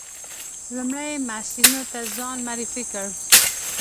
لومړي محصلینو ته ځان معرفي کړ.